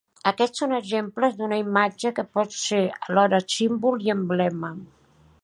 Aquests són exemples d'una imatge que pot ser alhora símbol i emblema.